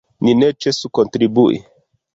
Ni ne ĉesu kontribui.